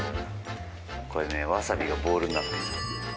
これ、ワサビがボールになってる。